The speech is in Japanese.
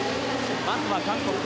まずは韓国。